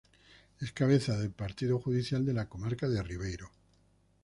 Es cabeza de partido judicial de la comarca del Ribeiro.